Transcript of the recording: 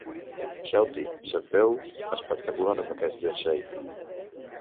Shawty, se't veu espectacular amb aquest jersei.